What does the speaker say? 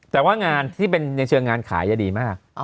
แต่ว่างานที่เป็นในเชิงงานขายจะดีมาก